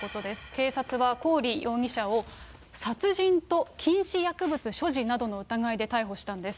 警察はコーリ容疑者を殺人と禁止薬物所持などの疑いで逮捕したんです。